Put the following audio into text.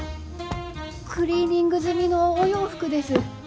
クリーニング済みのお洋服です。